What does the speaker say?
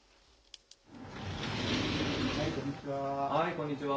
こんにちは。